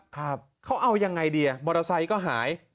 ครับเขาเอายังไงดีอ่ะมอเตอร์ไซค์ก็หาย